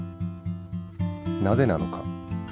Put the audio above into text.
なぜなのか？